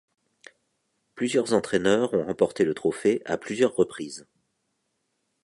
Plusieurs entraîneurs ont remporté le trophée à plusieurs reprises.